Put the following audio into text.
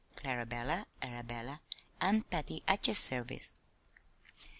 "Clarabella, Arabella, an "Patty at yer service."